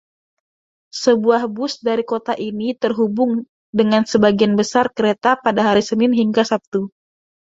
Sebuah bus dari kota ini terhubung dengan sebagian besar kereta pada hari Senin hingga Sabtu.